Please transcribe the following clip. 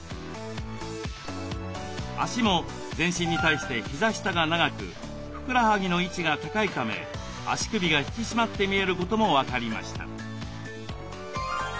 脚も全身に対して膝下が長くふくらはぎの位置が高いため足首が引き締まって見えることも分かりました。